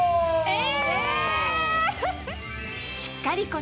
え！